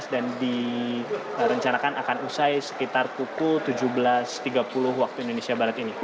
dan direncanakan akan usai sekitar pukul tujuh belas tiga puluh waktu indonesia barat ini